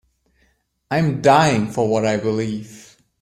I'm dying for what I believe.